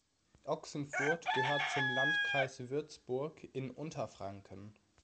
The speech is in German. Ochsenfurt gehört zum Landkreis Würzburg in Unterfranken.